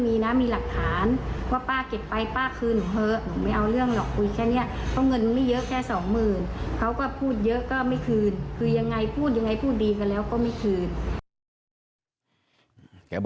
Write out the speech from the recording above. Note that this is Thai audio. คือยังไงพูดยังไงพูดดีกันแล้วก็ไม่คืน